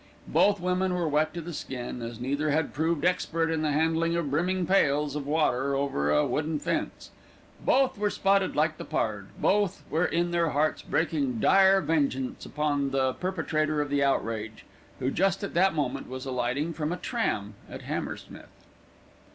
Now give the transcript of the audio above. Both women were wet to the skin, as neither had proved expert in the handing of brimming pails of water over a wooden fence; both were spotted like the pard; both were in their hearts breathing dire vengeance upon the perpetrator of the outrage, who just at that moment was alighting from a tram at Hammersmith.